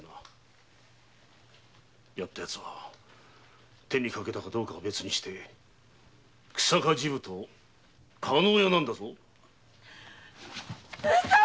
やったヤツは手にかけたかどうかは別にして日下治部と叶屋なんだぞ！